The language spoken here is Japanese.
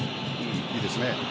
いいですね。